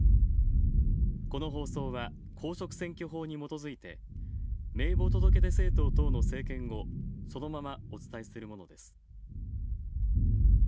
この放送は公職選挙法にもとづいて名簿届出政党等の政見をそのままお伝えするものです。